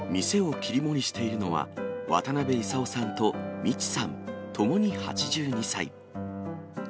店を切り盛りしているのは、渡辺功さんと三千さん、ともに８２歳。